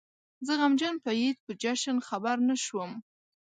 زه غمجن په عيد په جشن خبر نه شوم